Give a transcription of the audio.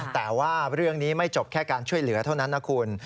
แต่ว่าเรื่องนี้ไม่จบแค่การช่วยเหลือเท่านั้นนะคุณ